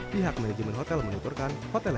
pihak manajemen hotel menuturkan